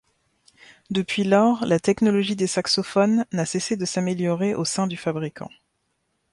Depuis lors, la technologie des saxophones n'a cessé de s'améliorer au sein du fabricant.